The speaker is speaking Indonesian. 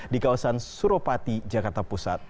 di kawasan suropati jakarta pusat